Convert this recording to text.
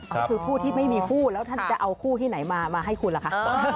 ก็คือผู้ที่ไม่มีคู่แล้วท่านจะเอาคู่ที่ไหนมาให้คุณล่ะคะ